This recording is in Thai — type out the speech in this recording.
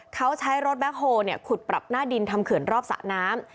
เขาใช้รถแบ็คโฮลขุดปรับหน้าดินทำเขื่อนรอบสระน้ำ